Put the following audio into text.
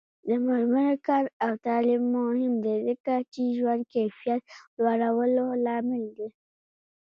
د میرمنو کار او تعلیم مهم دی ځکه چې ژوند کیفیت لوړولو لامل دی.